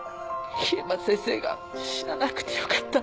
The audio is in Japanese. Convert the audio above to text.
緋山先生が死ななくてよかった。